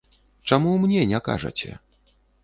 Чаму мне не кажаце?